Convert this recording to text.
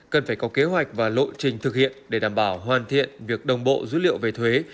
cần phải có kế hoạch và lộ trình thực hiện để đảm bảo hoàn thiện việc đồng bộ dữ liệu về thuế